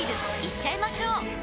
いっちゃいましょう！